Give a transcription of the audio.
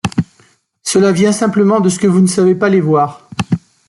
Cela vient simplement de ce que vous ne savez pas les voir !